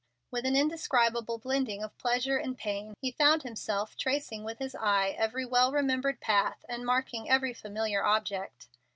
With an indescribable blending of pleasure and pain, he found himself tracing with his eye every well remembered path, and marking every familiar object.